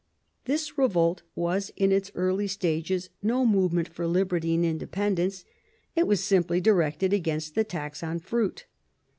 This revolt was in its early stages no movement for liberty and independence, it was simply directed against the tax on fruit.